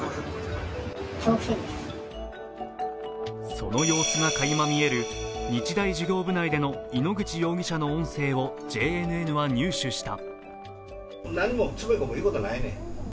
その様子がかいま見える日大事業部内での井ノ口容疑者の音声をＪＮＮは入手した。